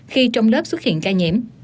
khi trong lớp xuất hiện ca nhiễm